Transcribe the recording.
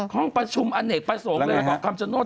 ห้องประชุมอเนกประสงค์เกาะคำชโน้ต